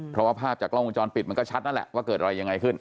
เพราะว่าภาพจากกล้องวงจรปิดมันก็ชัดนั่นแหละว่าเกิดอะไรยังไงขึ้น